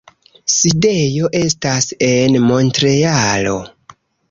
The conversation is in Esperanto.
Sidejo estas en Montrealo.